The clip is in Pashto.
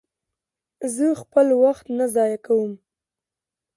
زه خپل وخت نه ضایع کوم.